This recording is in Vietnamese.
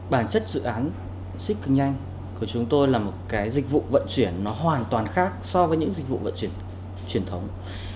bản chất dự án xip cực nhanh của chúng tôi là một dịch vụ vận chuyển hoàn toàn khác so với những dịch vụ vận chuyển truyền thống